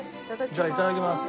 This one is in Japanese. じゃあいただきます。